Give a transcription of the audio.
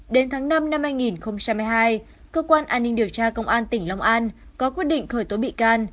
đến tháng năm năm hai nghìn hai mươi hai cơ quan an ninh điều tra công an tỉnh long an có quyết định khởi tố bị can